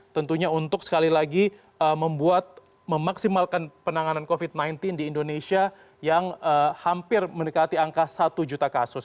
tentunya untuk sekali lagi membuat memaksimalkan penanganan covid sembilan belas di indonesia yang hampir mendekati angka satu juta kasus